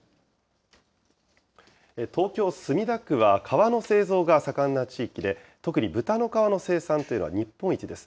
東京・墨田区は革の製造が盛んな地域で、特に豚の革の生産というのは日本一です。